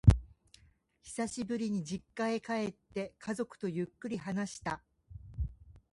久しぶりに実家へ帰って、家族とゆっくり話した。